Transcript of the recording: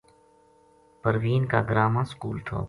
پروین کا گراں ما سکول تھو